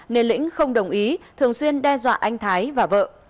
nên lĩnh không đồng ý thường xuyên đe dọa anh thái và vợ